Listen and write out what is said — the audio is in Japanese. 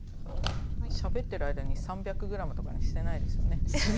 しゃべってる間に３００ｇとかにしてないですよね？